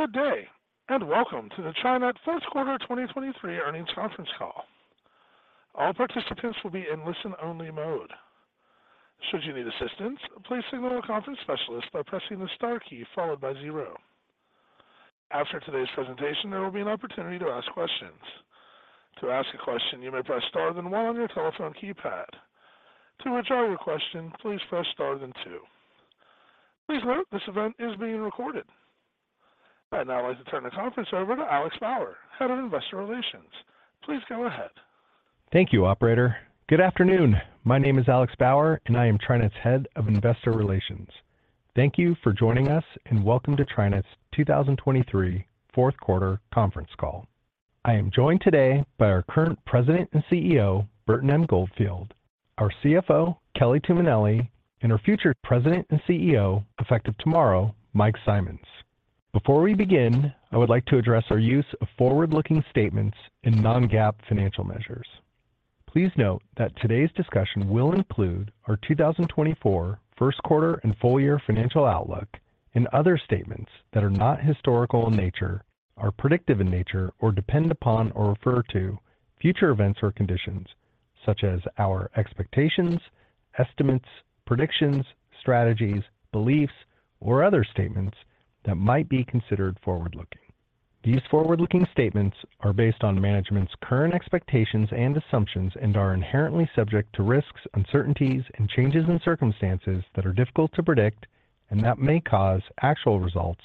Good day, and welcome to the TriNet Fourth Quarter 2023 Earnings Conference Call. All participants will be in listen-only mode. Should you need assistance, please signal a conference specialist by pressing the star key followed by 0. After today's presentation, there will be an opportunity to ask questions. To ask a question, you may press star then one on your telephone keypad. To withdraw your question, please press star then two. Please note, this event is being recorded. I'd now like to turn the conference over to Alex Bauer, Head of Investor Relations. Please go ahead. Thank you, operator. Good afternoon. My name is Alex Bauer, and I am TriNet's Head of Investor Relations. Thank you for joining us, and welcome to TriNet's 2023 fourth quarter conference call. I am joined today by our current President and CEO, Burton M. Goldfield, our CFO, Kelly Tuminelli, and our future President and CEO, effective tomorrow, Mike Simonds. Before we begin, I would like to address our use of forward-looking statements and non-GAAP financial measures. Please note that today's discussion will include our 2024 first quarter and full year financial outlook and other statements that are not historical in nature, are predictive in nature, or depend upon or refer to future events or conditions, such as our expectations, estimates, predictions, strategies, beliefs, or other statements that might be considered forward-looking. These forward-looking statements are based on management's current expectations and assumptions and are inherently subject to risks, uncertainties, and changes in circumstances that are difficult to predict and that may cause actual results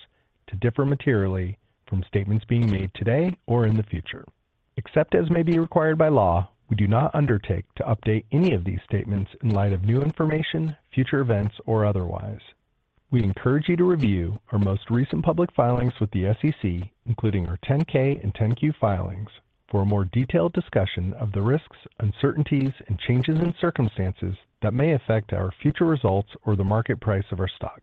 to differ materially from statements being made today or in the future. Except as may be required by law, we do not undertake to update any of these statements in light of new information, future events, or otherwise. We encourage you to review our most recent public filings with the SEC, including our 10-K and 10-Q filings, for a more detailed discussion of the risks, uncertainties, and changes in circumstances that may affect our future results or the market price of our stock.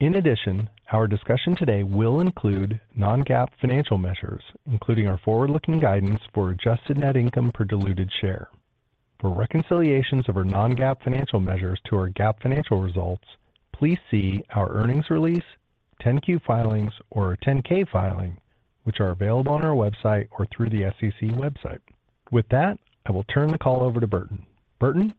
In addition, our discussion today will include non-GAAP financial measures, including our forward-looking guidance for adjusted net income per diluted share. For reconciliations of our non-GAAP financial measures to our GAAP financial results, please see our earnings release, 10-Q filings or 10-K filing, which are available on our website or through the SEC website. With that, I will turn the call over to Burton. Burton?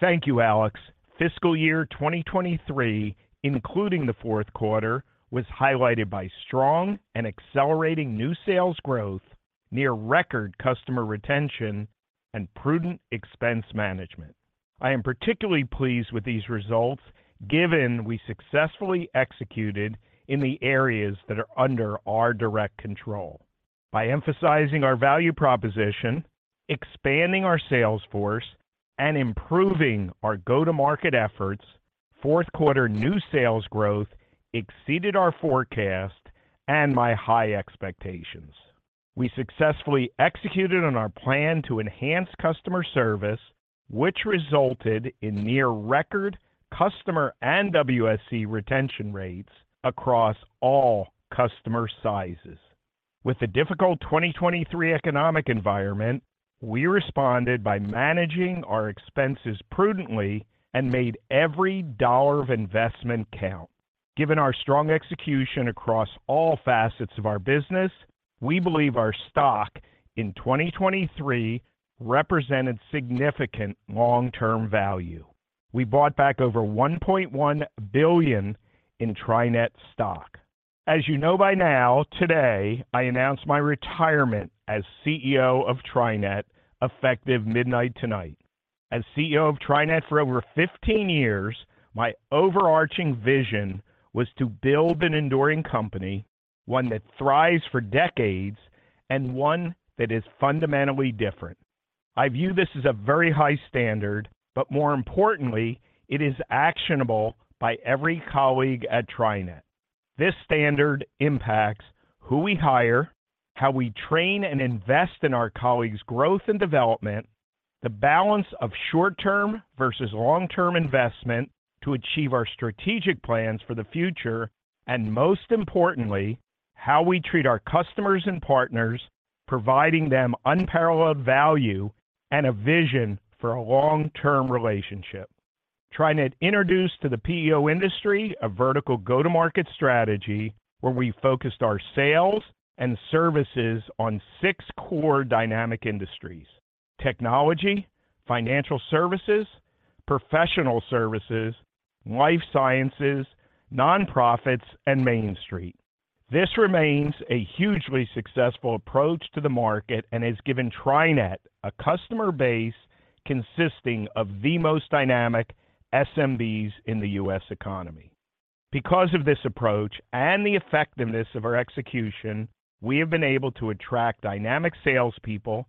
Thank you, Alex. Fiscal year 2023, including the fourth quarter, was highlighted by strong and accelerating new sales growth, near-record customer retention, and prudent expense management. I am particularly pleased with these results, given we successfully executed in the areas that are under our direct control. By emphasizing our value proposition, expanding our sales force, and improving our go-to-market efforts, fourth-quarter new sales growth exceeded our forecast and my high expectations. We successfully executed on our plan to enhance customer service, which resulted in near-record customer and WSE retention rates across all customer sizes. With the difficult 2023 economic environment, we responded by managing our expenses prudently and made every dollar of investment count. Given our strong execution across all facets of our business, we believe our stock in 2023 represented significant long-term value. We bought back over $1.1 billion in TriNet stock. As you know by now, today, I announce my retirement as CEO of TriNet, effective midnight tonight. As CEO of TriNet for over 15 years, my overarching vision was to build an enduring company, one that thrives for decades, and one that is fundamentally different. I view this as a very high standard, but more importantly, it is actionable by every colleague at TriNet. This standard impacts who we hire, how we train and invest in our colleagues' growth and development, the balance of short-term versus long-term investment to achieve our strategic plans for the future, and most importantly, how we treat our customers and partners, providing them unparalleled value and a vision for a long-term relationship. TriNet introduced to the PEO industry a vertical go-to-market strategy where we focused our sales and services on 6 core dynamic industries: technology, financial services, professional services, life sciences, nonprofits, and Main Street. This remains a hugely successful approach to the market and has given TriNet a customer base consisting of the most dynamic SMBs in the U.S. economy. Because of this approach and the effectiveness of our execution, we have been able to attract dynamic salespeople,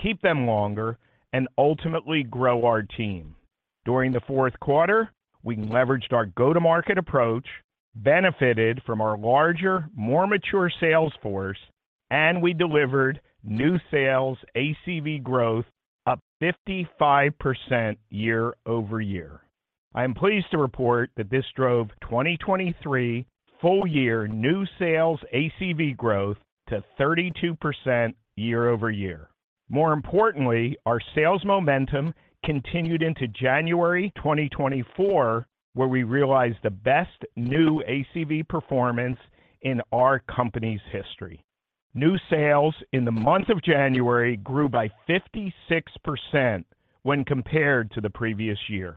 keep them longer, and ultimately grow our team. During the fourth quarter, we leveraged our go-to-market approach, benefited from our larger, more mature sales force, and we delivered new sales ACV growth up 55% year-over-year. I am pleased to report that this drove 2023 full year new sales ACV growth to 32% year-over-year.... More importantly, our sales momentum continued into January 2024, where we realized the best new ACV performance in our company's history. New sales in the month of January grew by 56% when compared to the previous year.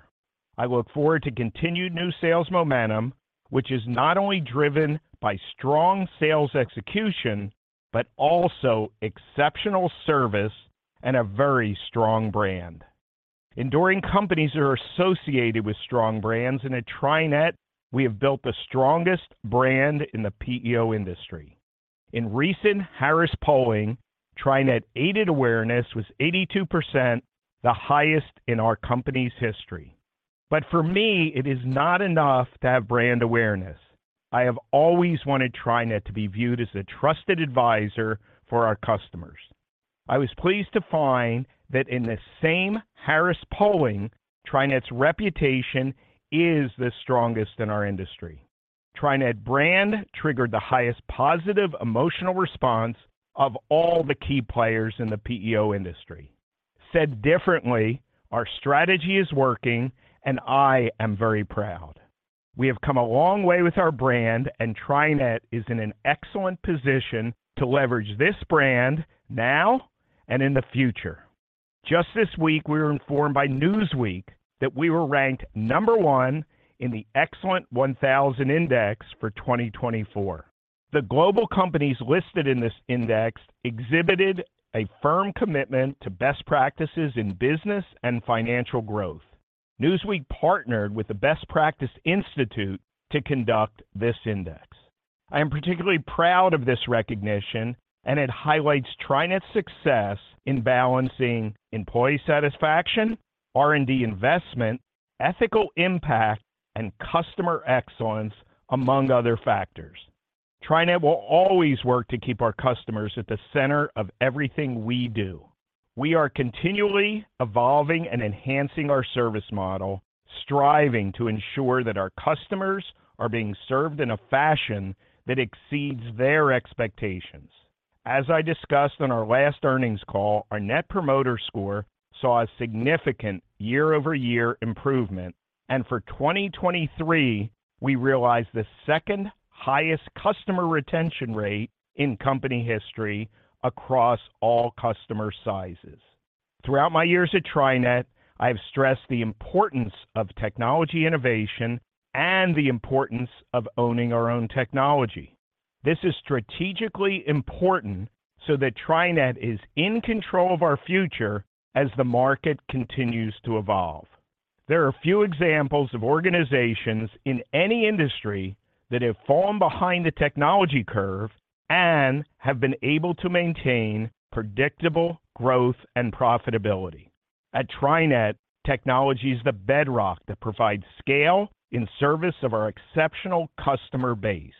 I look forward to continued new sales momentum, which is not only driven by strong sales execution, but also exceptional service and a very strong brand. Enduring companies are associated with strong brands, and at TriNet, we have built the strongest brand in the PEO industry. In recent Harris Poll, TriNet's unaided awareness was 82%, the highest in our company's history. But for me, it is not enough to have brand awareness. I have always wanted TriNet to be viewed as a trusted advisor for our customers. I was pleased to find that in the same Harris Poll, TriNet's reputation is the strongest in our industry. TriNet brand triggered the highest positive emotional response of all the key players in the PEO industry. Said differently, our strategy is working, and I am very proud. We have come a long way with our brand, and TriNet is in an excellent position to leverage this brand now and in the future. Just this week, we were informed by Newsweek that we were ranked number 1 in the Excellence 1000 Index for 2024. The global companies listed in this index exhibited a firm commitment to best practices in business and financial growth. Newsweek partnered with the Best Practice Institute to conduct this index. I am particularly proud of this recognition, and it highlights TriNet's success in balancing employee satisfaction, R&D investment, ethical impact, and customer excellence, among other factors. TriNet will always work to keep our customers at the center of everything we do. We are continually evolving and enhancing our service model, striving to ensure that our customers are being served in a fashion that exceeds their expectations. As I discussed on our last earnings call, our Net Promoter Score saw a significant year-over-year improvement, and for 2023, we realized the second-highest customer retention rate in company history across all customer sizes. Throughout my years at TriNet, I have stressed the importance of technology innovation and the importance of owning our own technology. This is strategically important so that TriNet is in control of our future as the market continues to evolve. There are few examples of organizations in any industry that have fallen behind the technology curve and have been able to maintain predictable growth and profitability. At TriNet, technology is the bedrock that provides scale in service of our exceptional customer base.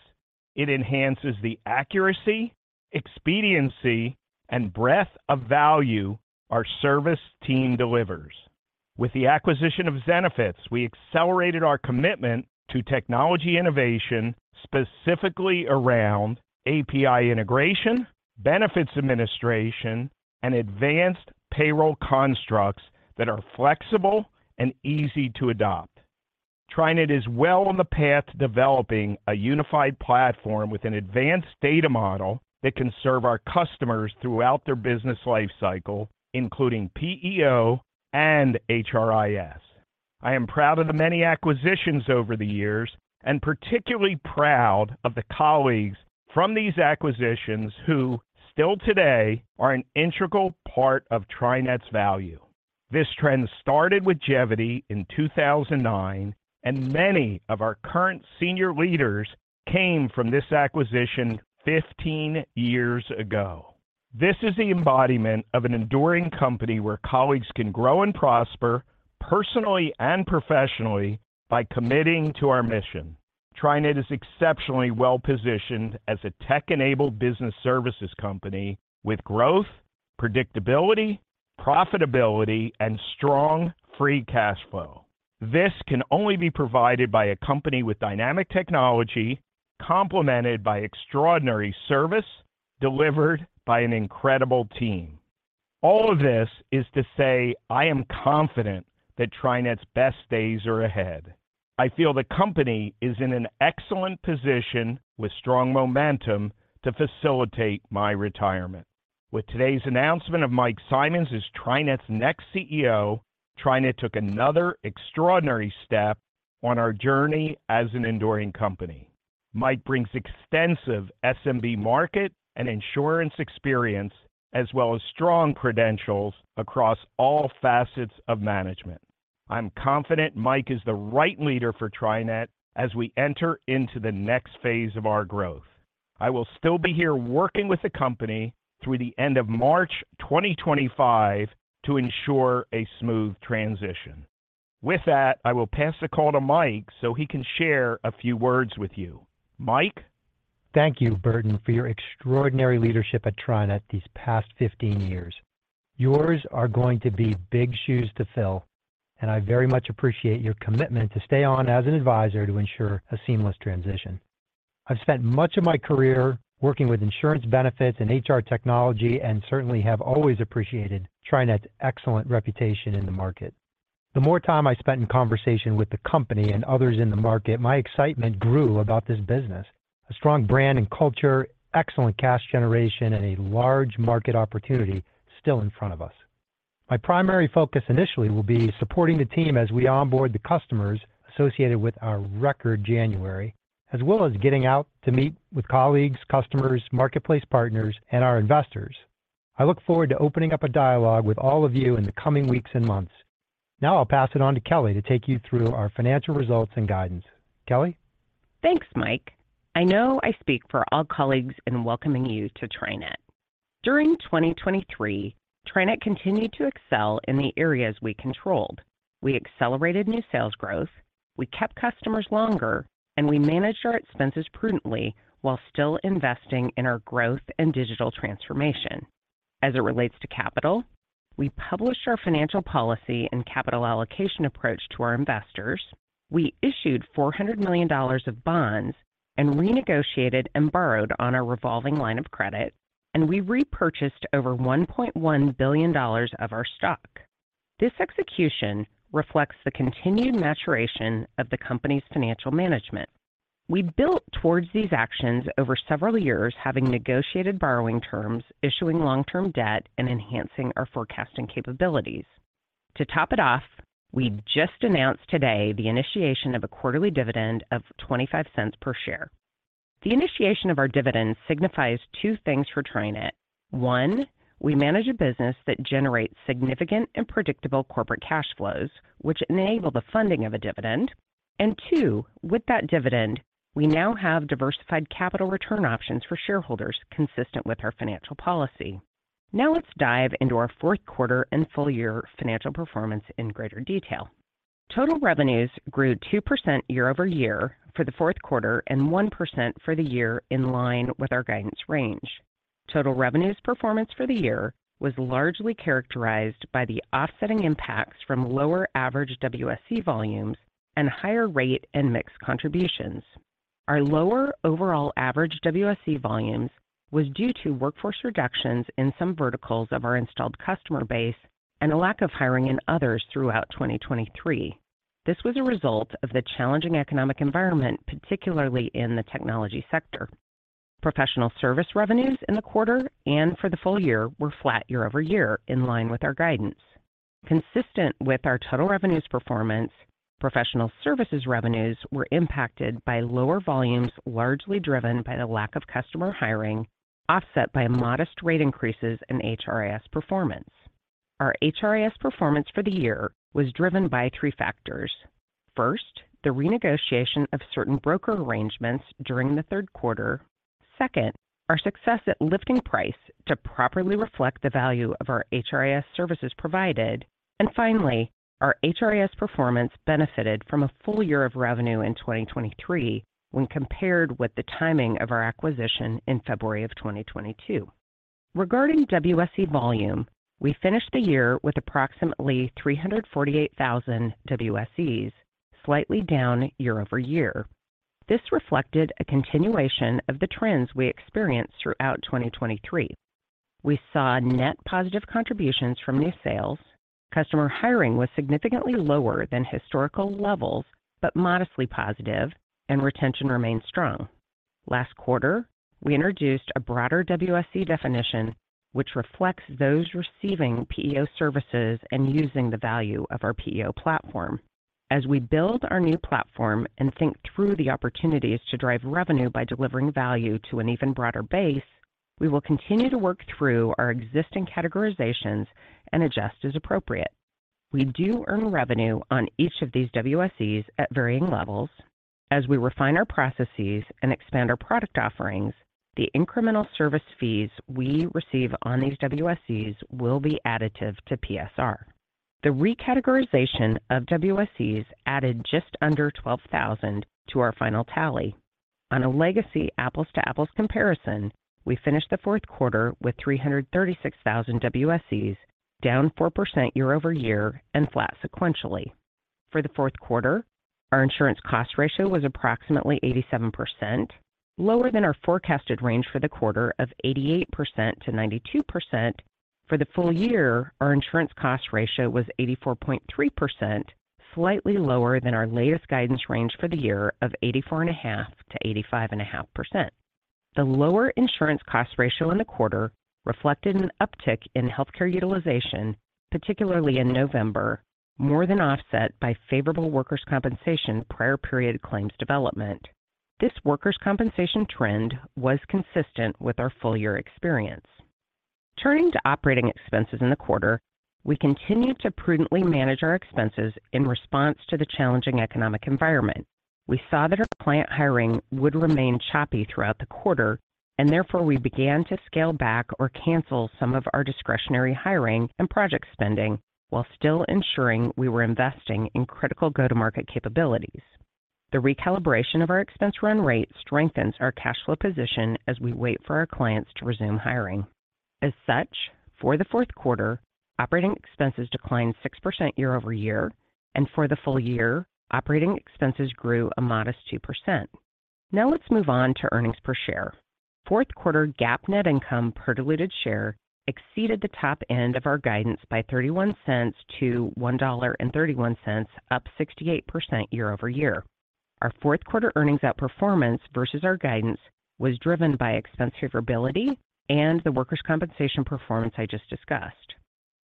It enhances the accuracy, expediency, and breadth of value our service team delivers. With the acquisition of Zenefits, we accelerated our commitment to technology innovation, specifically around API integration, benefits administration, and advanced payroll constructs that are flexible and easy to adopt. TriNet is well on the path to developing a unified platform with an advanced data model that can serve our customers throughout their business lifecycle, including PEO and HRIS. I am proud of the many acquisitions over the years, and particularly proud of the colleagues from these acquisitions who still today are an integral part of TriNet's value. This trend started with Gevity in 2009, and many of our current senior leaders came from this acquisition 15 years ago. This is the embodiment of an enduring company where colleagues can grow and prosper personally and professionally by committing to our mission. TriNet is exceptionally well-positioned as a tech-enabled business services company with growth, predictability, profitability, and strong free cash flow. This can only be provided by a company with dynamic technology, complemented by extraordinary service delivered by an incredible team. All of this is to say, I am confident that TriNet's best days are ahead. I feel the company is in an excellent position, with strong momentum, to facilitate my retirement. With today's announcement of Mike Simonds as TriNet's next CEO, TriNet took another extraordinary step on our journey as an enduring company. Mike brings extensive SMB market and insurance experience, as well as strong credentials across all facets of management. I'm confident Mike is the right leader for TriNet as we enter into the next phase of our growth. I will still be here working with the company through the end of March 2025 to ensure a smooth transition. With that, I will pass the call to Mike so he can share a few words with you. Mike? Thank you, Burton, for your extraordinary leadership at TriNet these past 15 years. Yours are going to be big shoes to fill, and I very much appreciate your commitment to stay on as an advisor to ensure a seamless transition. I've spent much of my career working with insurance benefits and HR technology, and certainly have always appreciated TriNet's excellent reputation in the market. The more time I spent in conversation with the company and others in the market, my excitement grew about this business. A strong brand and culture, excellent cash generation, and a large market opportunity still in front of us. My primary focus initially will be supporting the team as we onboard the customers associated with our record January, as well as getting out to meet with colleagues, customers, marketplace partners, and our investors. I look forward to opening up a dialogue with all of you in the coming weeks and months. Now I'll pass it on to Kelly to take you through our financial results and guidance. Kelly? Thanks, Mike. I know I speak for all colleagues in welcoming you to TriNet. During 2023, TriNet continued to excel in the areas we controlled. We accelerated new sales growth, we kept customers longer, and we managed our expenses prudently while still investing in our growth and digital transformation. As it relates to capital, we published our financial policy and capital allocation approach to our investors. We issued $400 million of bonds and renegotiated and borrowed on our revolving line of credit, and we repurchased over $1.1 billion of our stock. This execution reflects the continued maturation of the company's financial management. We built towards these actions over several years, having negotiated borrowing terms, issuing long-term debt, and enhancing our forecasting capabilities. To top it off, we just announced today the initiation of a quarterly dividend of $0.25 per share. The initiation of our dividend signifies two things for TriNet. One, we manage a business that generates significant and predictable corporate cash flows, which enable the funding of a dividend. And two, with that dividend, we now have diversified capital return options for shareholders, consistent with our financial policy. Now, let's dive into our fourth quarter and full year financial performance in greater detail. Total revenues grew 2% year-over-year for the fourth quarter and 1% for the year, in line with our guidance range. Total revenues performance for the year was largely characterized by the offsetting impacts from lower average WSE volumes and higher rate and mix contributions. Our lower overall average WSE volumes was due to workforce reductions in some verticals of our installed customer base and a lack of hiring in others throughout 2023. This was a result of the challenging economic environment, particularly in the technology sector. Professional Service Revenues in the quarter and for the full year were flat year-over-year, in line with our guidance. Consistent with our total revenues performance, Professional Service Revenues were impacted by lower volumes, largely driven by the lack of customer hiring, offset by modest rate increases in HRIS performance. Our HRIS performance for the year was driven by three factors. First, the renegotiation of certain broker arrangements during the third quarter. Second, our success at lifting price to properly reflect the value of our HRIS services provided. And finally, our HRIS performance benefited from a full year of revenue in 2023 when compared with the timing of our acquisition in February of 2022. Regarding WSE volume, we finished the year with approximately 348,000 WSEs, slightly down year over year. This reflected a continuation of the trends we experienced throughout 2023. We saw net positive contributions from new sales. Customer hiring was significantly lower than historical levels, but modestly positive and retention remained strong. Last quarter, we introduced a broader WSE definition, which reflects those receiving PEO services and using the value of our PEO platform. As we build our new platform and think through the opportunities to drive revenue by delivering value to an even broader base, we will continue to work through our existing categorizations and adjust as appropriate. We do earn revenue on each of these WSEs at varying levels. As we refine our processes and expand our product offerings, the incremental service fees we receive on these WSEs will be additive to PSR. The recategorization of WSEs added just under 12,000 to our final tally. On a legacy apples-to-apples comparison, we finished the fourth quarter with 336,000 WSEs, down 4% year-over-year and flat sequentially. For the fourth quarter, our insurance cost ratio was approximately 87%, lower than our forecasted range for the quarter of 88%-92%. For the full year, our insurance cost ratio was 84.3%, slightly lower than our latest guidance range for the year of 84.5%-85.5%. The lower insurance cost ratio in the quarter reflected an uptick in healthcare utilization, particularly in November, more than offset by favorable workers' compensation prior period claims development. This workers' compensation trend was consistent with our full year experience. Turning to operating expenses in the quarter, we continued to prudently manage our expenses in response to the challenging economic environment. We saw that our client hiring would remain choppy throughout the quarter, and therefore we began to scale back or cancel some of our discretionary hiring and project spending while still ensuring we were investing in critical go-to-market capabilities. The recalibration of our expense run rate strengthens our cash flow position as we wait for our clients to resume hiring. As such, for the fourth quarter, operating expenses declined 6% year-over-year, and for the full year, operating expenses grew a modest 2%. Now let's move on to earnings per share. Fourth quarter GAAP net income per diluted share exceeded the top end of our guidance by $0.31 to $1.31, up 68% year-over-year. Our fourth quarter earnings outperformance versus our guidance was driven by expense recoverability and the workers' compensation performance I just discussed.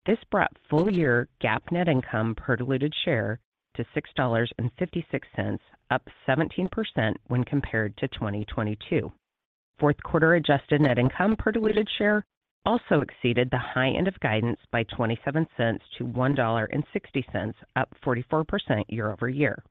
This brought full-year GAAP net income per diluted share to $6.56, up 17% when compared to 2022. Fourth quarter adjusted net income per diluted share also exceeded the high end of guidance by $0.27 to $1.60, up 44% year-over-year.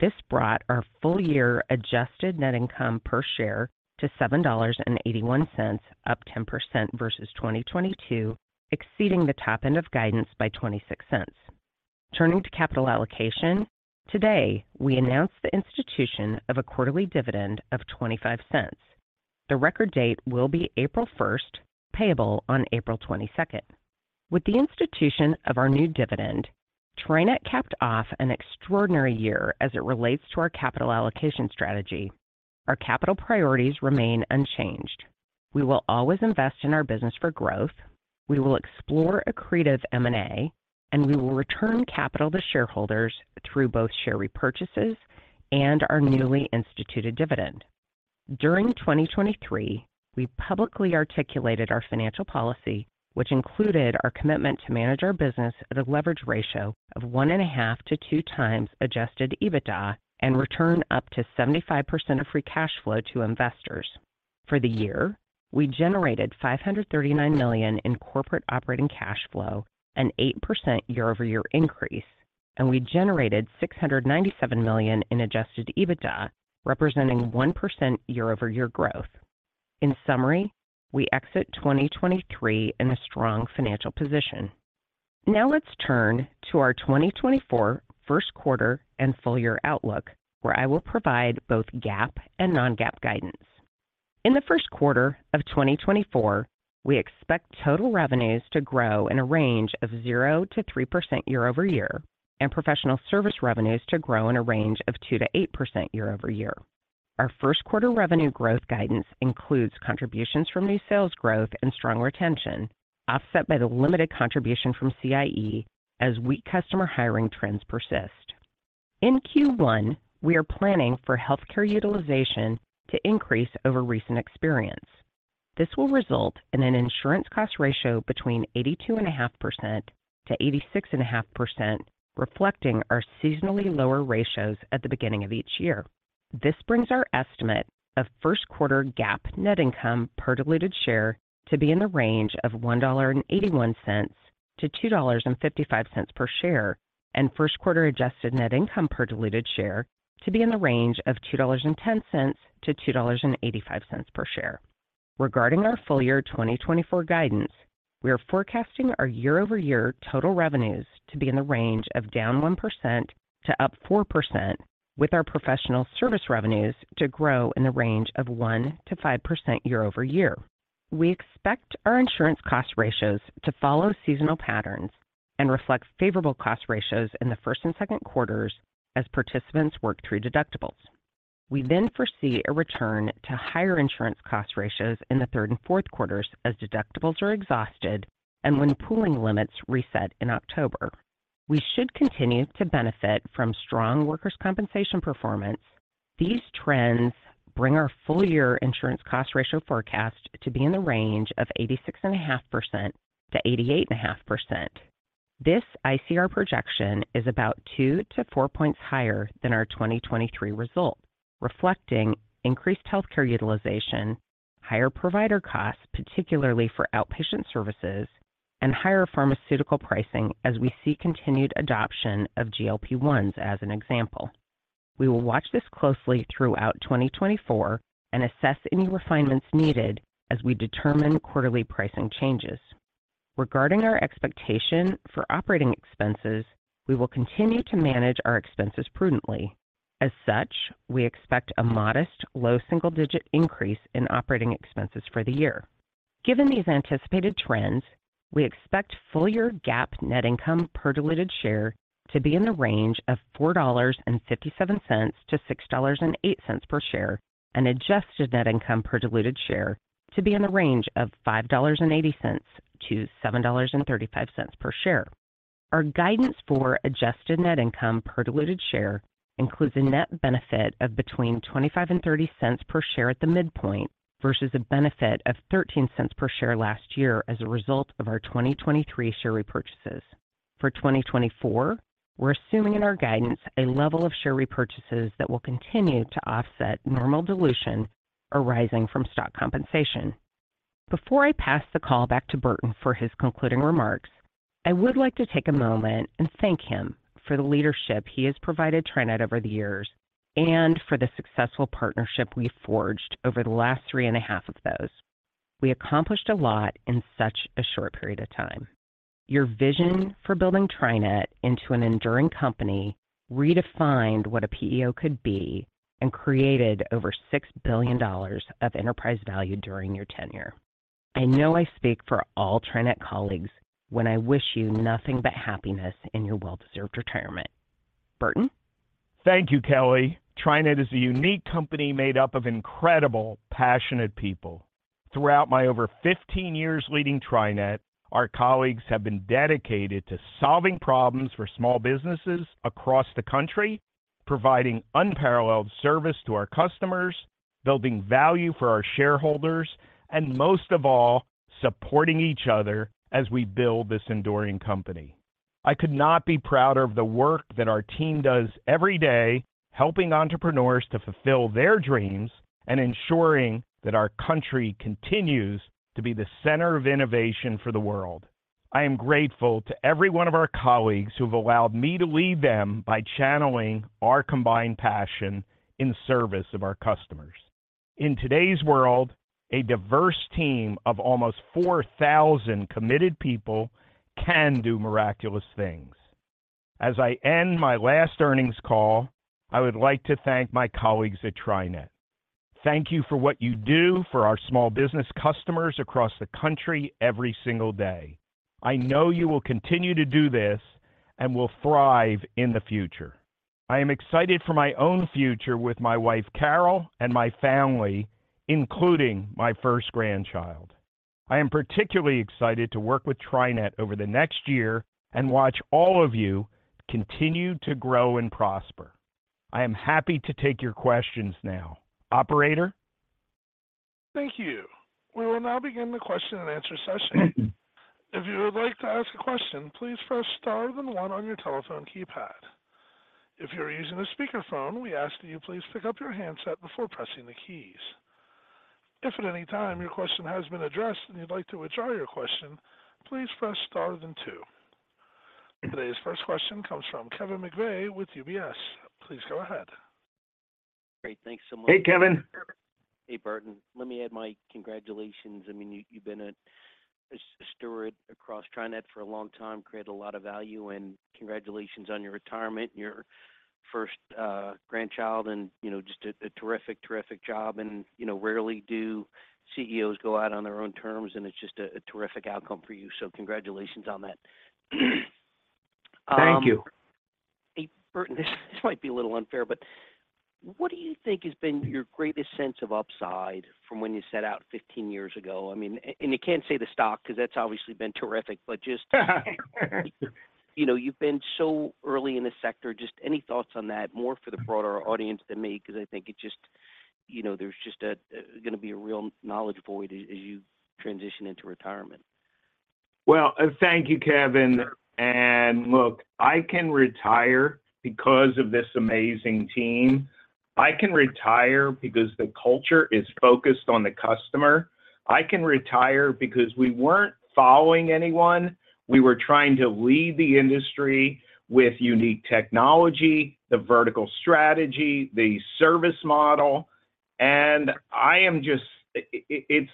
This brought our full-year adjusted net income per share to $7.81, up 10% versus 2022, exceeding the top end of guidance by $0.26. Turning to capital allocation, today, we announced the institution of a quarterly dividend of $0.25. The record date will be April 1, payable on April 22. With the institution of our new dividend, TriNet capped off an extraordinary year as it relates to our capital allocation strategy. Our capital priorities remain unchanged. We will always invest in our business for growth, we will explore accretive M&A, and we will return capital to shareholders through both share repurchases and our newly instituted dividend. During 2023, we publicly articulated our financial policy, which included our commitment to manage our business at a leverage ratio of 1.5-2x adjusted EBITDA and return up to 75% of free cash flow to investors. For the year, we generated $539 million in corporate operating cash flow, an 8% year-over-year increase, and we generated $697 million in adjusted EBITDA, representing 1% year-over-year growth. In summary, we exit 2023 in a strong financial position. Now let's turn to our 2024 first quarter and full year outlook, where I will provide both GAAP and non-GAAP guidance. In the first quarter of 2024, we expect total revenues to grow in a range of 0%-3% year-over-year, and professional service revenues to grow in a range of 2%-8% year-over-year. Our first quarter revenue growth guidance includes contributions from new sales growth and strong retention, offset by the limited contribution from CIE as weak customer hiring trends persist. In Q1, we are planning for healthcare utilization to increase over recent experience. This will result in an insurance cost ratio between 82.5% to 86.5%, reflecting our seasonally lower ratios at the beginning of each year. This brings our estimate of first quarter GAAP net income per diluted share to be in the range of $1.81-$2.55 per share, and first quarter adjusted net income per diluted share to be in the range of $2.10-$2.85 per share. Regarding our full year 2024 guidance, we are forecasting our year-over-year total revenues to be in the range of down 1% to up 4%, with our professional service revenues to grow in the range of 1%-5% year-over-year. We expect our insurance cost ratios to follow seasonal patterns and reflect favorable cost ratios in the first and second quarters as participants work through deductibles. We then foresee a return to higher insurance cost ratios in the third and fourth quarters as deductibles are exhausted and when pooling limits reset in October. We should continue to benefit from strong workers' compensation performance. These trends bring our full-year insurance cost ratio forecast to be in the range of 86.5%-88.5%. This ICR projection is about 2-4 points higher than our 2023 result, reflecting increased healthcare utilization, higher provider costs, particularly for outpatient services, and higher pharmaceutical pricing as we see continued adoption of GLP-1s as an example. We will watch this closely throughout 2024 and assess any refinements needed as we determine quarterly pricing changes. Regarding our expectation for operating expenses, we will continue to manage our expenses prudently. As such, we expect a modest, low single-digit increase in operating expenses for the year. Given these anticipated trends, we expect full-year GAAP net income per diluted share to be in the range of $4.57-$6.08 per share, and adjusted net income per diluted share to be in the range of $5.80-$7.35 per share. Our guidance for adjusted net income per diluted share includes a net benefit of between 25 and 30 cents per share at the midpoint, versus a benefit of 13 cents per share last year as a result of our 2023 share repurchases. For 2024, we're assuming in our guidance a level of share repurchases that will continue to offset normal dilution arising from stock compensation. Before I pass the call back to Burton for his concluding remarks, I would like to take a moment and thank him for the leadership he has provided TriNet over the years, and for the successful partnership we forged over the last 3.5 of those. We accomplished a lot in such a short period of time.... Your vision for building TriNet into an enduring company redefined what a PEO could be and created over $6 billion of enterprise value during your tenure. I know I speak for all TriNet colleagues when I wish you nothing but happiness in your well-deserved retirement. Burton? Thank you, Kelly. TriNet is a unique company made up of incredible, passionate people. Throughout my over 15 years leading TriNet, our colleagues have been dedicated to solving problems for small businesses across the country, providing unparalleled service to our customers, building value for our shareholders, and most of all, supporting each other as we build this enduring company. I could not be prouder of the work that our team does every day, helping entrepreneurs to fulfill their dreams and ensuring that our country continues to be the center of innovation for the world. I am grateful to every one of our colleagues who have allowed me to lead them by channeling our combined passion in service of our customers. In today's world, a diverse team of almost 4,000 committed people can do miraculous things. As I end my last earnings call, I would like to thank my colleagues at TriNet. Thank you for what you do for our small business customers across the country every single day. I know you will continue to do this and will thrive in the future. I am excited for my own future with my wife, Carol, and my family, including my first grandchild. I am particularly excited to work with TriNet over the next year and watch all of you continue to grow and prosper. I am happy to take your questions now. Operator? Thank you. We will now begin the question and answer session. If you would like to ask a question, please press star then one on your telephone keypad. If you're using a speakerphone, we ask that you please pick up your handset before pressing the keys. If at any time your question has been addressed and you'd like to withdraw your question, please press star then two. Today's first question comes from Kevin McVeigh with UBS. Please go ahead. Great. Thanks so much- Hey, Kevin. Hey, Burton. Let me add my congratulations. I mean, you, you've been a steward across TriNet for a long time, created a lot of value, and congratulations on your retirement, your first grandchild, and, you know, just a terrific, terrific job. And, you know, rarely do CEOs go out on their own terms, and it's just a terrific outcome for you. So congratulations on that. Thank you. Hey, Burton, this might be a little unfair, but what do you think has been your greatest sense of upside from when you set out 15 years ago? I mean, and you can't say the stock because that's obviously been terrific, but just you know, you've been so early in the sector. Just any thoughts on that, more for the broader audience than me, 'cause I think it just, you know, there's just gonna be a real knowledge void as you transition into retirement. Well, thank you, Kevin. And look, I can retire because of this amazing team. I can retire because the culture is focused on the customer. I can retire because we weren't following anyone. We were trying to lead the industry with unique technology, the vertical strategy, the service model. And I am just... I, I, it's,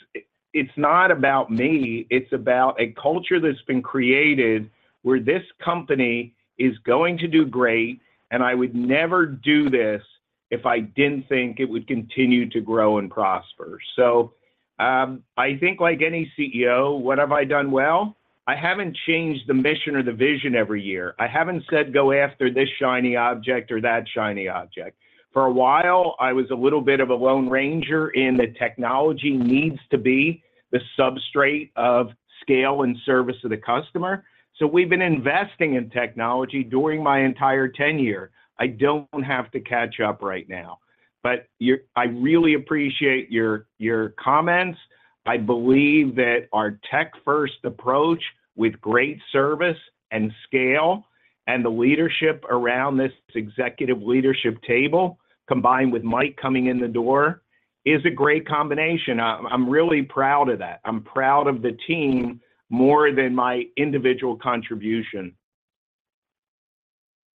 it's not about me, it's about a culture that's been created where this company is going to do great, and I would never do this if I didn't think it would continue to grow and prosper. So, I think, like any CEO, what have I done well? I haven't changed the mission or the vision every year. I haven't said, "Go after this shiny object or that shiny object." For a while, I was a little bit of a lone ranger in the technology needs to be the substrate of scale and service to the customer. So we've been investing in technology during my entire tenure. I don't have to catch up right now, but you're. I really appreciate your, your comments. I believe that our tech-first approach with great service and scale and the leadership around this executive leadership table, combined with Mike coming in the door, is a great combination. I'm, I'm really proud of that. I'm proud of the team more than my individual contribution.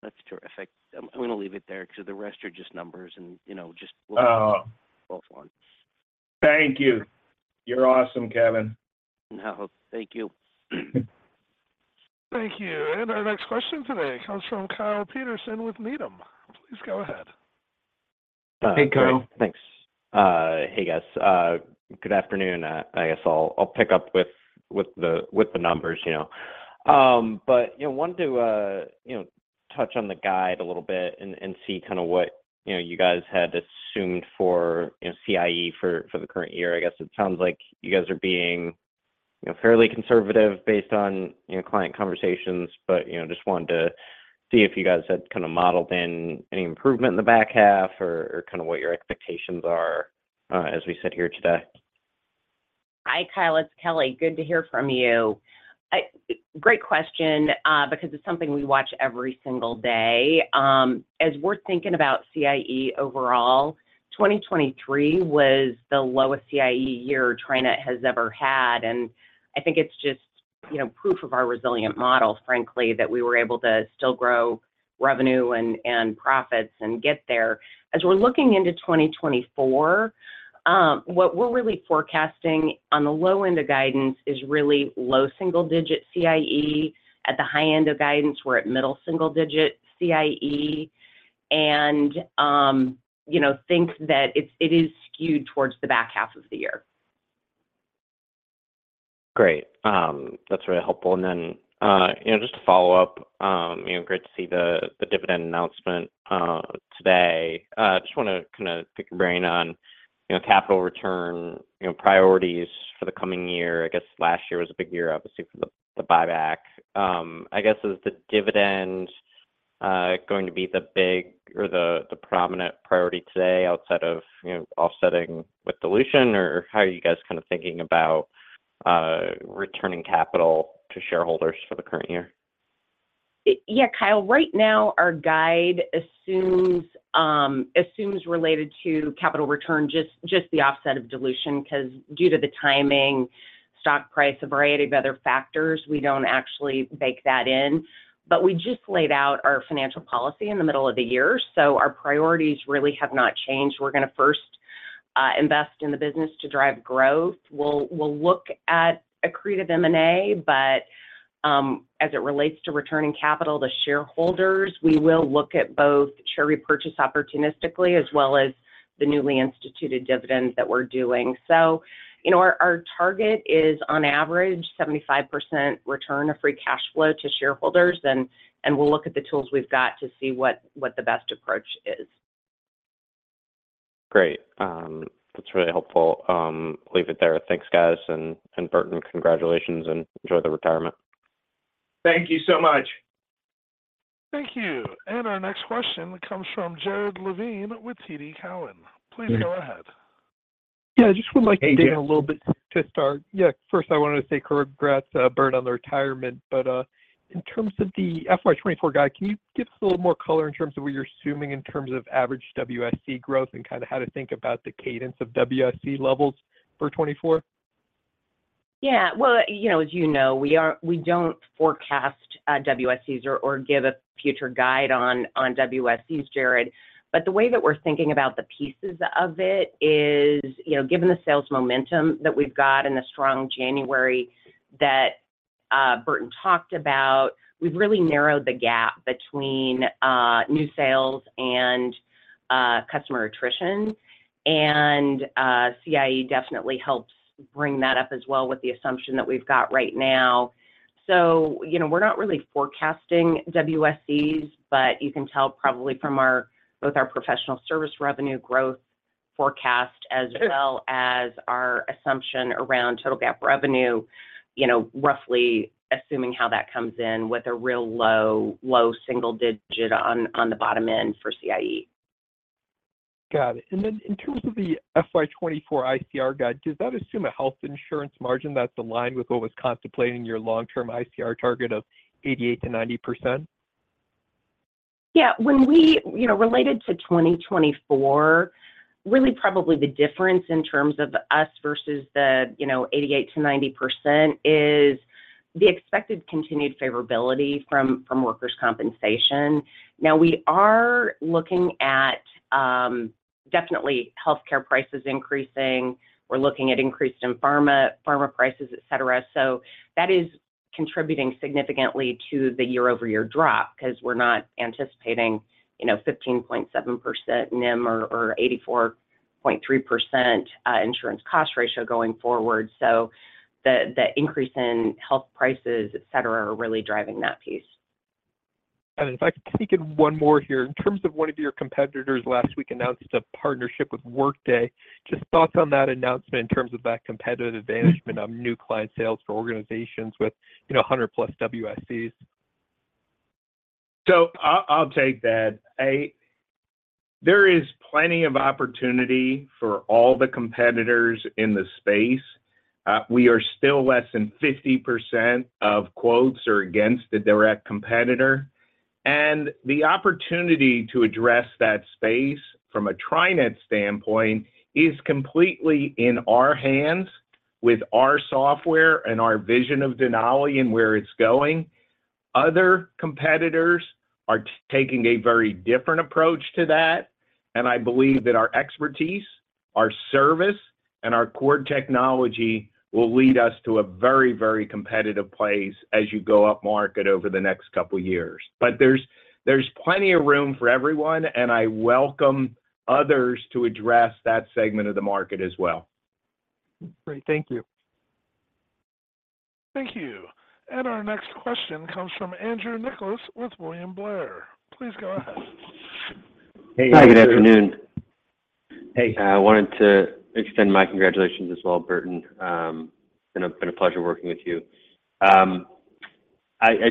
That's terrific. I'm gonna leave it there because the rest are just numbers and, you know, just- Oh -both ones. Thank you. You're awesome, Kevin. No, thank you. Thank you. Our next question today comes from Kyle Peterson with Needham. Please go ahead. Hey, Kyle. Thanks. Hey, guys. Good afternoon. I guess I'll pick up with the numbers, you know. But, you know, wanted to touch on the guide a little bit and see kinda what you guys had assumed for CIE for the current year. I guess it sounds like you guys are being fairly conservative based on client conversations. But just wanted to see if you guys had kinda modeled in any improvement in the back half or kinda what your expectations are as we sit here today. Hi, Kyle, it's Kelly. Good to hear from you. Great question, because it's something we watch every single day. As we're thinking about CIE overall, 2023 was the lowest CIE year TriNet has ever had, and I think it's just, you know, proof of our resilient model, frankly, that we were able to still grow.... revenue and profits and get there. As we're looking into 2024, what we're really forecasting on the low end of guidance is really low single-digit CIE. At the high end of guidance, we're at middle single-digit CIE, and you know, think that it is skewed towards the back half of the year. Great. That's really helpful. And then, you know, just to follow up, you know, great to see the dividend announcement today. I just wanna kind of pick your brain on, you know, capital return, you know, priorities for the coming year. I guess last year was a big year, obviously, for the buyback. I guess, is the dividend going to be the big or the prominent priority today outside of, you know, offsetting with dilution? Or how are you guys kind of thinking about returning capital to shareholders for the current year? Yeah, Kyle, right now, our guide assumes related to capital return, just the offset of dilution, 'cause due to the timing, stock price, a variety of other factors, we don't actually bake that in. But we just laid out our financial policy in the middle of the year, so our priorities really have not changed. We're gonna first invest in the business to drive growth. We'll look at accretive M&A, but as it relates to returning capital to shareholders, we will look at both share repurchase opportunistically, as well as the newly instituted dividends that we're doing. So, you know, our target is, on average, 75% return of free cash flow to shareholders, and we'll look at the tools we've got to see what the best approach is. Great. That's really helpful. Leave it there. Thanks, guys. And Burton, congratulations, and enjoy the retirement. Thank you so much. Thank you. And our next question comes from Jared Levine with TD Cowen. Please go ahead. Yeah, I just would like- Hey, Jared... to dig in a little bit to start. Yeah, first I wanted to say congrats, Burton, on the retirement, but in terms of the FY 2024 guide, can you give us a little more color in terms of what you're assuming in terms of average WSE growth, and kind of how to think about the cadence of WSE levels for 2024? Yeah. Well, you know, as you know, we don't forecast WSEs or give a future guide on WSEs, Jared. But the way that we're thinking about the pieces of it is, you know, given the sales momentum that we've got and the strong January that Burton talked about, we've really narrowed the gap between new sales and customer attrition. And CIE definitely helps bring that up as well with the assumption that we've got right now. So, you know, we're not really forecasting WSEs, but you can tell probably from our both our professional service revenue growth forecast, as well as our assumption around total GAAP revenue, you know, roughly assuming how that comes in with a real low, low single digit on the bottom end for CIE. Got it. And then in terms of the FY 2024 ICR guide, does that assume a health insurance margin that's aligned with what was contemplating your long-term ICR target of 88%-90%? Yeah, when we... You know, related to 2024, really probably the difference in terms of us versus the, you know, 88%-90% is the expected continued favorability from, from workers' compensation. Now, we are looking at, definitely healthcare prices increasing. We're looking at increased pharma, pharma prices, et cetera. So that is contributing significantly to the year-over-year drop, 'cause we're not anticipating, you know, 15.7% NIM or, or 84.3%, insurance cost ratio going forward. So the, the increase in health prices, et cetera, are really driving that piece. If I could sneak in one more here. In terms of one of your competitors last week announced a partnership with Workday. Just thoughts on that announcement in terms of that competitive advantage and on new client sales for organizations with, you know, 100+ WSEs. So I'll take that. There is plenty of opportunity for all the competitors in the space. We are still less than 50% of quotes are against a direct competitor, and the opportunity to address that space from a TriNet standpoint is completely in our hands with our software and our vision of Denali and where it's going. Other competitors are taking a very different approach to that, and I believe that our expertise, our service, and our core technology will lead us to a very, very competitive place as you go upmarket over the next couple of years. But there's, there's plenty of room for everyone, and I welcome others to address that segment of the market as well. Great. Thank you. Thank you. Our next question comes from Andrew Nicholas with William Blair. Please go ahead. Hey, good afternoon. Hey. I wanted to extend my congratulations as well, Burton. It's been a pleasure working with you. I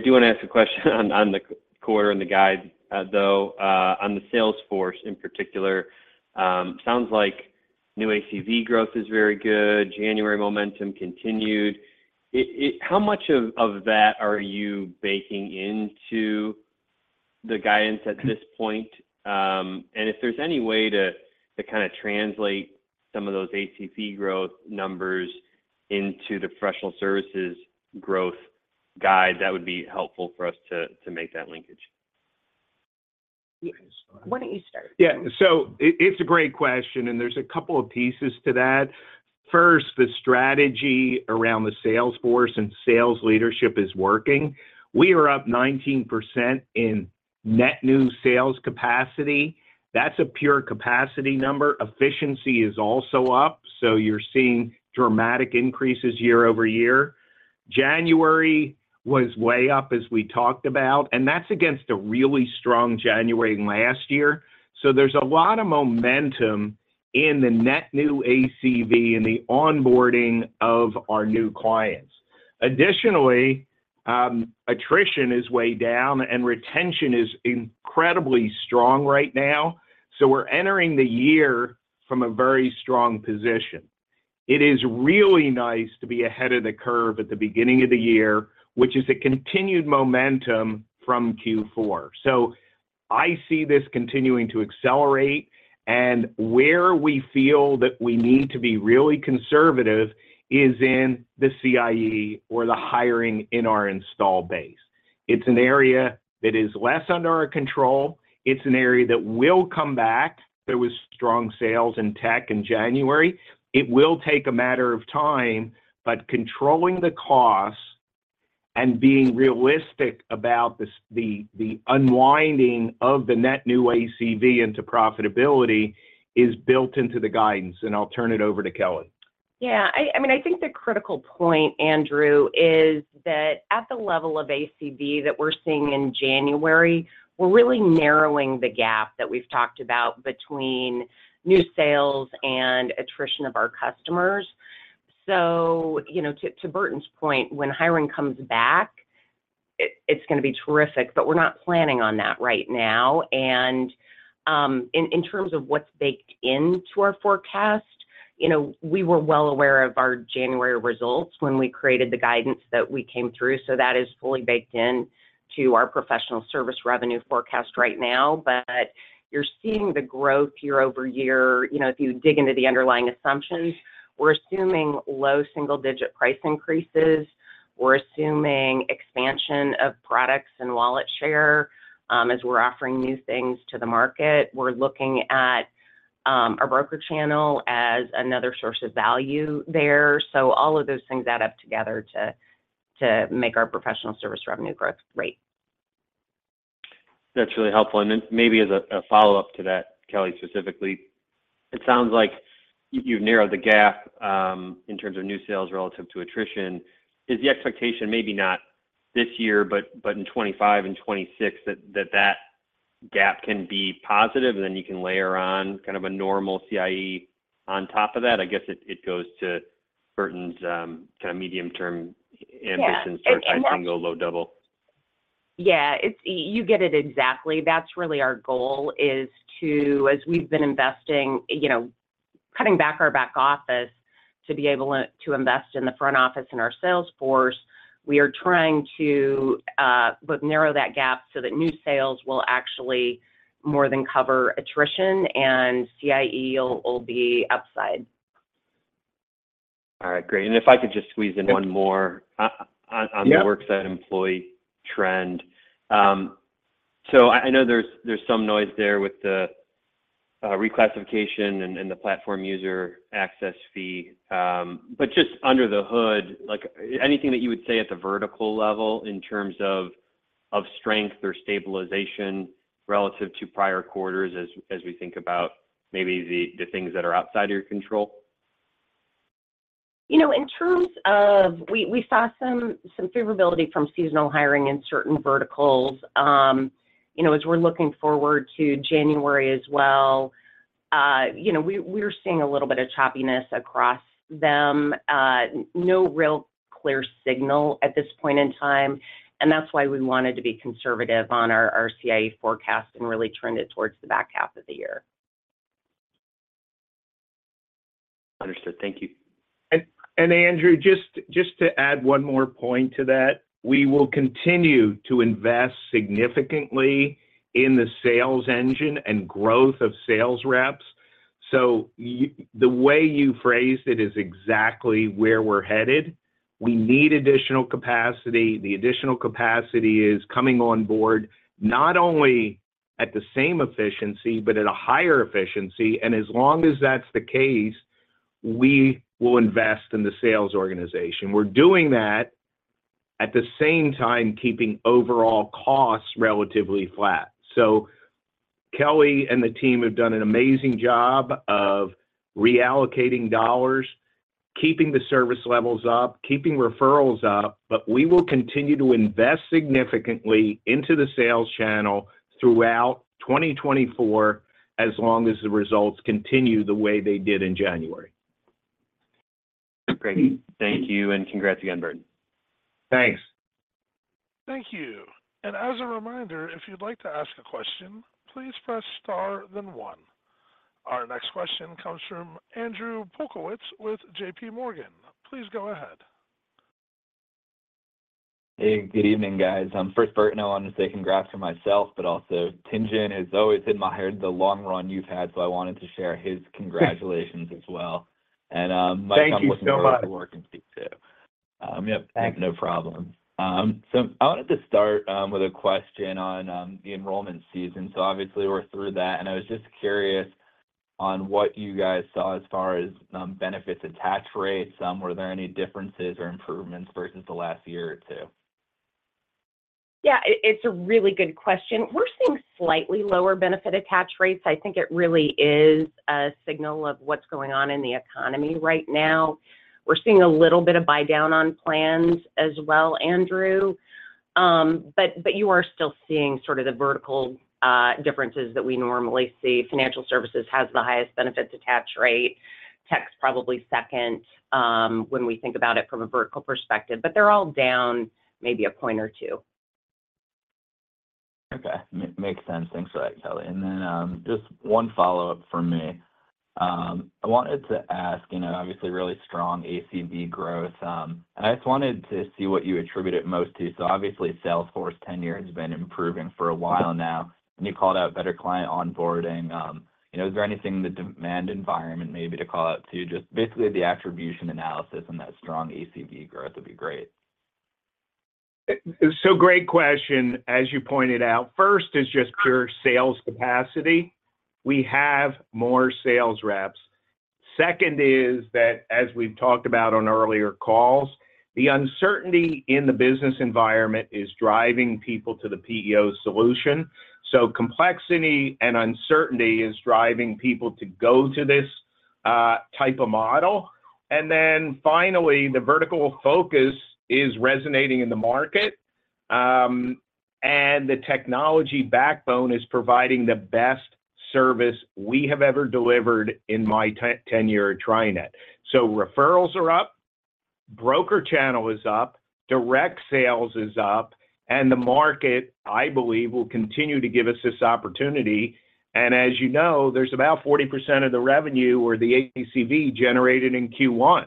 do want to ask a question on the quarter and the guide, though, on the sales force in particular. Sounds like new ACV growth is very good. January momentum continued. It—How much of that are you baking into the guidance at this point? And if there's any way to kind of translate some of those ACV growth numbers into the professional services growth guide, that would be helpful for us to make that linkage. Why don't you start? Yeah. So it, it's a great question, and there's a couple of pieces to that. First, the strategy around the sales force and sales leadership is working. We are up 19% in net new sales capacity. That's a pure capacity number. Efficiency is also up, so you're seeing dramatic increases year-over-year. January was way up, as we talked about, and that's against a really strong January last year. So there's a lot of momentum in the net new ACV and the onboarding of our new clients. Additionally, attrition is way down, and retention is incredibly strong right now, so we're entering the year from a very strong position. It is really nice to be ahead of the curve at the beginning of the year, which is a continued momentum from Q4. So I see this continuing to accelerate, and where we feel that we need to be really conservative is in the CIE or the hiring in our installed base. It's an area that is less under our control. It's an area that will come back. There was strong sales in tech in January. It will take a matter of time, but controlling the costs and being realistic about the unwinding of the net new ACV into profitability is built into the guidance, and I'll turn it over to Kelly. Yeah, I mean, I think the critical point, Andrew, is that at the level of ACV that we're seeing in January, we're really narrowing the gap that we've talked about between new sales and attrition of our customers. So, you know, to Burton's point, when hiring comes back, it's gonna be terrific, but we're not planning on that right now. And, in terms of what's baked into our forecast, you know, we were well aware of our January results when we created the guidance that we came through, so that is fully baked in to our professional service revenue forecast right now. But you're seeing the growth year-over-year. You know, if you dig into the underlying assumptions, we're assuming low single-digit price increases. We're assuming expansion of products and wallet share, as we're offering new things to the market. We're looking at our broker channel as another source of value there. So all of those things add up together to make our professional service revenue growth great. That's really helpful, and then maybe as a follow-up to that, Kelly, specifically, it sounds like you've narrowed the gap in terms of new sales relative to attrition. Is the expectation maybe not this year, but in 2025 and 2026, that gap can be positive, and then you can layer on kind of a normal CIE on top of that? I guess it goes to Burton's kind of medium-term- Yeah Ambition, search and go low double. Yeah, it's you get it exactly. That's really our goal, is to, as we've been investing you know, cutting back our back office to be able to, to invest in the front office and our sales force, we are trying to both narrow that gap so that new sales will actually more than cover attrition, and CIE will, will be upside. All right, great. If I could just squeeze in one more- Yeah... on the worksite employee trend. So I know there's some noise there with the reclassification and the platform user access fee, but just under the hood, like, anything that you would say at the vertical level in terms of strength or stabilization relative to prior quarters as we think about maybe the things that are outside of your control? You know, in terms of... We saw some favorability from seasonal hiring in certain verticals. You know, as we're looking forward to January as well, you know, we're seeing a little bit of choppiness across them. No real clear signal at this point in time, and that's why we wanted to be conservative on our CIE forecast and really trend it towards the back half of the year. Understood. Thank you. Andrew, just to add one more point to that, we will continue to invest significantly in the sales engine and growth of sales reps. So you, the way you phrased it is exactly where we're headed. We need additional capacity. The additional capacity is coming on board, not only at the same efficiency but at a higher efficiency, and as long as that's the case, we will invest in the sales organization. We're doing that at the same time keeping overall costs relatively flat. So Kelly and the team have done an amazing job of reallocating dollars, keeping the service levels up, keeping referrals up, but we will continue to invest significantly into the sales channel throughout 2024, as long as the results continue the way they did in January. Great. Thank you, and congrats again, Burton. Thanks. Thank you. As a reminder, if you'd like to ask a question, please press star, then one. Our next question comes from Andrew Polkowitz with JP Morgan. Please go ahead.... Hey, good evening, guys. First, Burton, I want to say congrats to myself, but also Tien-tsin has always admired the long run you've had, so I wanted to share his congratulations as well. And, Mike- Thank you so much. I'm looking forward to working with you, too. Yep, thanks. No problem. So I wanted to start with a question on the enrollment season. So obviously, we're through that, and I was just curious on what you guys saw as far as benefits attach rates. Were there any differences or improvements versus the last year or two? Yeah, it, it's a really good question. We're seeing slightly lower benefit attach rates. I think it really is a signal of what's going on in the economy right now. We're seeing a little bit of buy-down on plans as well, Andrew. But, but you are still seeing sort of the vertical differences that we normally see. Financial services has the highest benefit detach rate, tech's probably second, when we think about it from a vertical perspective, but they're all down maybe a point or two. Okay. Makes sense. Thanks for that, Kelly. And then, just one follow-up from me. I wanted to ask, you know, obviously, really strong ACV growth, and I just wanted to see what you attribute it most to. So obviously, sales force tenure has been improving for a while now, and you called out better client onboarding. You know, is there anything in the demand environment maybe to call out, too? Just basically the attribution analysis and that strong ACV growth would be great. So great question. As you pointed out, first is just pure sales capacity. We have more sales reps. Second is that, as we've talked about on earlier calls, the uncertainty in the business environment is driving people to the PEO solution. So complexity and uncertainty is driving people to go to this type of model. And then finally, the vertical focus is resonating in the market, and the technology backbone is providing the best service we have ever delivered in my tenure at TriNet. So referrals are up, broker channel is up, direct sales is up, and the market, I believe, will continue to give us this opportunity. And as you know, there's about 40% of the revenue or the ACV generated in Q1.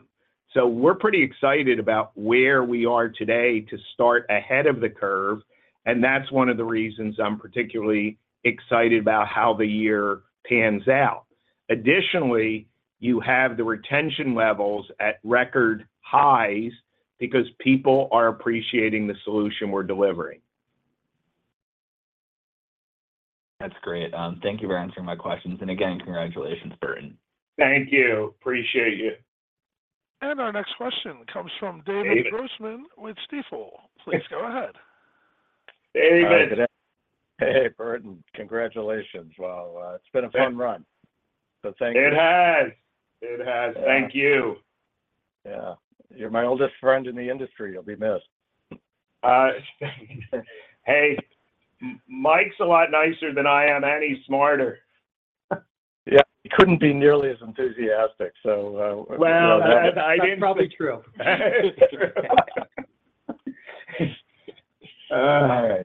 We're pretty excited about where we are today to start ahead of the curve, and that's one of the reasons I'm particularly excited about how the year pans out. Additionally, you have the retention levels at record highs because people are appreciating the solution we're delivering. That's great. Thank you for answering my questions, and again, congratulations, Burton. Thank you. Appreciate you. Our next question comes from David Grossman. David! with Stifel. Please go ahead. Hey, David. Hey, Burton. Congratulations. Well, it's been a fun run, so thank you. It has. It has. Yeah. Thank you. Yeah. You're my oldest friend in the industry. You'll be missed. Hey, Mike's a lot nicer than I am, and he's smarter. Yeah, he couldn't be nearly as enthusiastic, so, Well, I didn't- That's probably true. All right.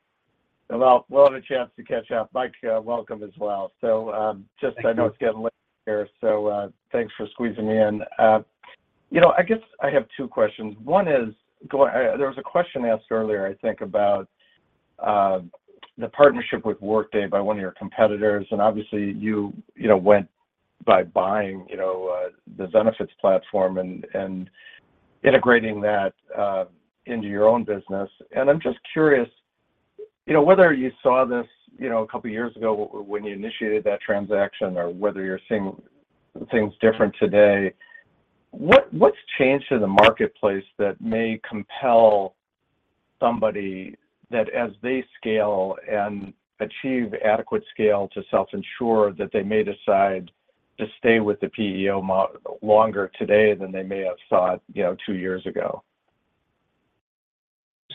Well, we'll have a chance to catch up. Mike, welcome as well. So, just- Thank you. I know it's getting late here, so, thanks for squeezing me in. You know, I guess I have two questions. One is, there was a question asked earlier, I think, about the partnership with Workday by one of your competitors, and obviously, you know, went by buying, you know, the benefits platform and integrating that into your own business. And I'm just curious, you know, whether you saw this, you know, a couple of years ago when you initiated that transaction or whether you're seeing things different today. What's changed in the marketplace that may compel somebody that, as they scale and achieve adequate scale to self-insure, that they may decide to stay with the PEO more longer today than they may have thought, you know, two years ago?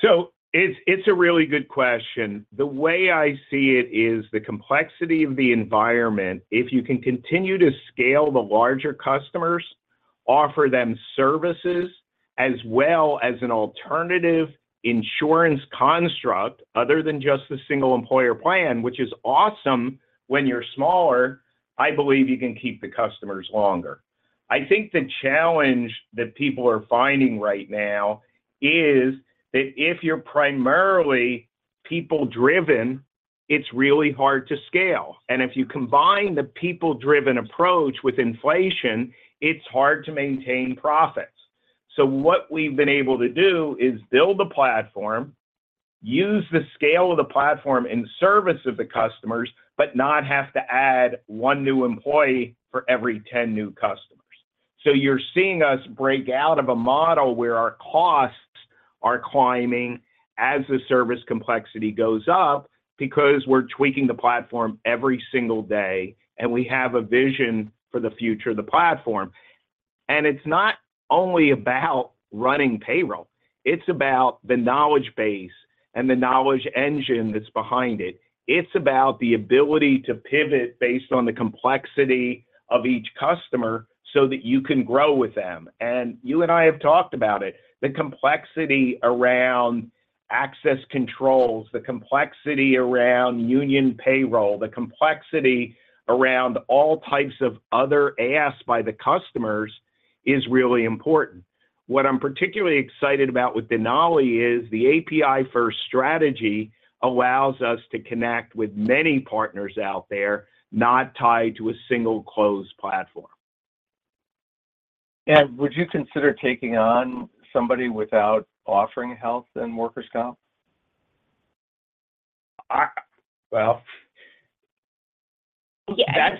So it's a really good question. The way I see it is the complexity of the environment. If you can continue to scale the larger customers, offer them services, as well as an alternative insurance construct other than just the single-employer plan, which is awesome when you're smaller, I believe you can keep the customers longer. I think the challenge that people are finding right now is that if you're primarily people-driven, it's really hard to scale, and if you combine the people-driven approach with inflation, it's hard to maintain profits. So what we've been able to do is build a platform, use the scale of the platform in service of the customers, but not have to add 1 new employee for every 10 new customers. So you're seeing us break out of a model where our costs are climbing as the service complexity goes up because we're tweaking the platform every single day, and we have a vision for the future of the platform. And it's not only about running payroll, it's about the knowledge base and the knowledge engine that's behind it. It's about the ability to pivot based on the complexity of each customer so that you can grow with them. And you and I have talked about it, the complexity around access controls, the complexity around union payroll, the complexity around all types of other AS by the customers... is really important. What I'm particularly excited about with Denali is the API-first strategy allows us to connect with many partners out there, not tied to a single closed platform. Would you consider taking on somebody without offering health and workers' comp? I-- Well, Yeah.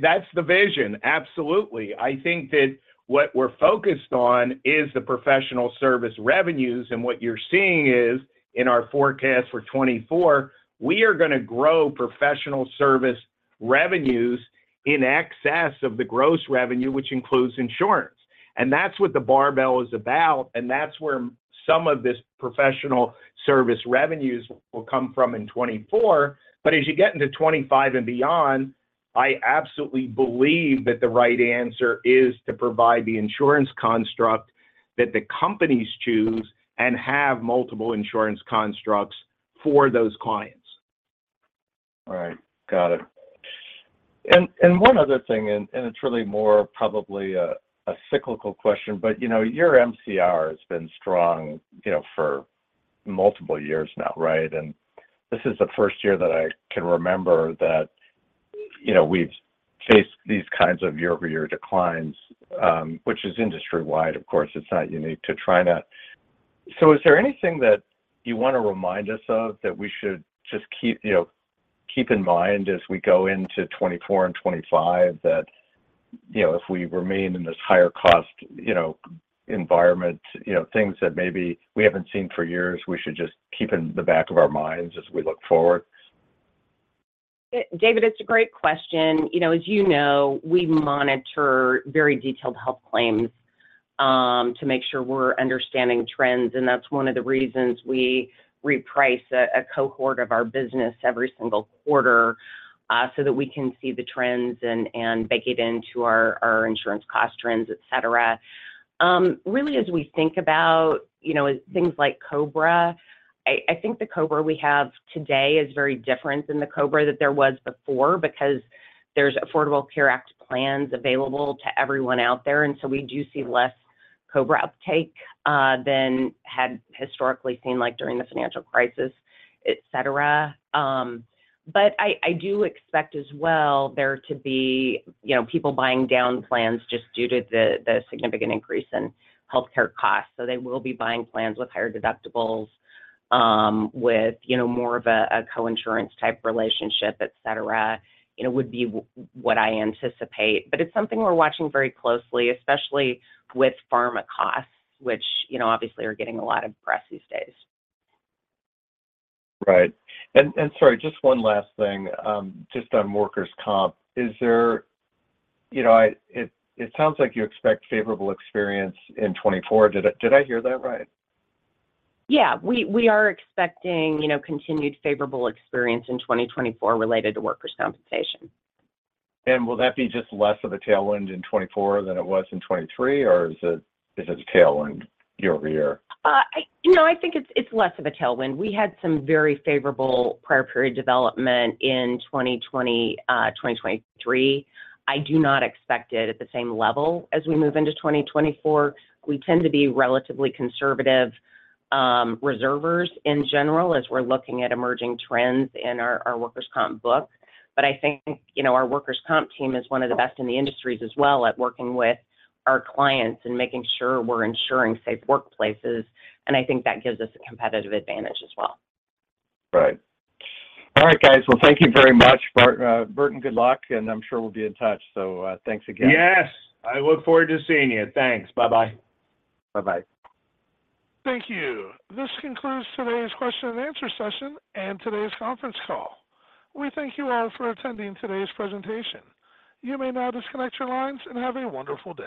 That's the vision. Absolutely. I think that what we're focused on is the professional service revenues, and what you're seeing is, in our forecast for 2024, we are gonna grow professional service revenues in excess of the gross revenue, which includes insurance. And that's what the barbell is about, and that's where some of this professional service revenues will come from in 2024. But as you get into 2025 and beyond, I absolutely believe that the right answer is to provide the insurance construct that the companies choose and have multiple insurance constructs for those clients. All right. Got it. And one other thing, and it's really more probably a cyclical question, but, you know, your MCR has been strong, you know, for multiple years now, right? And this is the first year that I can remember that, you know, we've faced these kinds of year-over-year declines, which is industry-wide, of course, it's not unique to TriNet. So is there anything that you want to remind us of that we should just keep, you know, keep in mind as we go into 2024 and 2025, that, you know, if we remain in this higher cost, you know, environment, you know, things that maybe we haven't seen for years, we should just keep in the back of our minds as we look forward? David, it's a great question. You know, as you know, we monitor very detailed health claims to make sure we're understanding trends, and that's one of the reasons we reprice a cohort of our business every single quarter so that we can see the trends and bake it into our insurance cost trends, et cetera. Really, as we think about, you know, things like COBRA, I think the COBRA we have today is very different than the COBRA that there was before because there's Affordable Care Act plans available to everyone out there, and so we do see less COBRA uptake than had historically seen, like during the financial crisis, et cetera. But I do expect as well there to be, you know, people buying down plans just due to the significant increase in healthcare costs. So they will be buying plans with higher deductibles, with, you know, more of a coinsurance type relationship, et cetera, you know, would be what I anticipate. But it's something we're watching very closely, especially with pharma costs, which, you know, obviously are getting a lot of press these days. Right. And sorry, just one last thing, just on workers' comp. Is there... You know, it sounds like you expect favorable experience in 2024. Did I, did I hear that right? Yeah. We are expecting, you know, continued favorable experience in 2024 related to workers' compensation. Will that be just less of a tailwind in 2024 than it was in 2023, or is it, is it a tailwind year-over-year? You know, I think it's less of a tailwind. We had some very favorable prior period development in 2020, 2023. I do not expect it at the same level as we move into 2024. We tend to be relatively conservative reservers in general, as we're looking at emerging trends in our workers' comp book. But I think, you know, our workers' comp team is one of the best in the industries as well at working with our clients and making sure we're ensuring safe workplaces, and I think that gives us a competitive advantage as well. Right. All right, guys, well, thank you very much, Burton. Good luck, and I'm sure we'll be in touch. So, thanks again. Yes. I look forward to seeing you. Thanks. Bye-bye. Bye-bye. Thank you. This concludes today's question and answer session and today's conference call. We thank you all for attending today's presentation. You may now disconnect your lines and have a wonderful day.